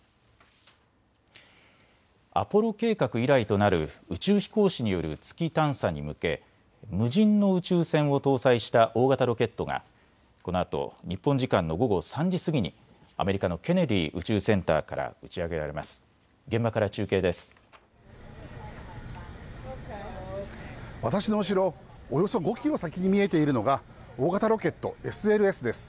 アポロ計画以来となる宇宙飛行士による月探査に向け無人の宇宙船を搭載した大型ロケットがこのあと日本時間の午後３時過ぎにアメリカのケネディ宇宙センターから打ち上げられます。